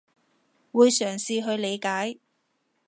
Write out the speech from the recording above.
會嘗試去理解